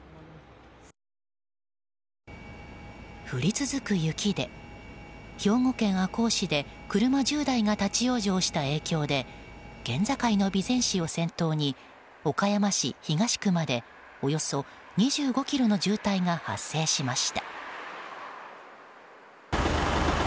降り続く雪で兵庫県赤穂市で車１０台が立ち往生した影響で県境の備前市を先頭に岡山市東区までおよそ２５ｋｍの渋滞が発生しました。